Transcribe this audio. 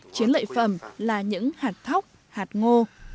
chuyến lợi phẩm là những hạt thóc hạt ngô